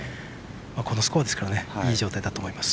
このスコアですからいい状態だと思います。